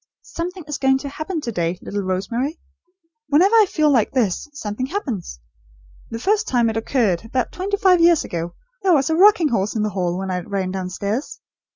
"Something is going to happen to day, little Rosemary. Whenever I feel like this, something happens. The first time it occurred, about twenty five years ago, there was a rocking horse in the hall, when I ran downstairs!